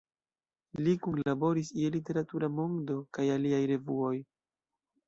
Li Kunlaboris je "Literatura Mondo" kaj aliaj revuoj.